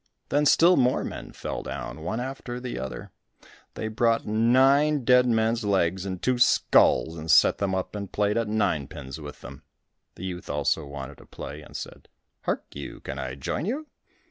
Then still more men fell down, one after the other; they brought nine dead men's legs and two skulls, and set them up and played at nine pins with them. The youth also wanted to play and said "Hark you, can I join you?"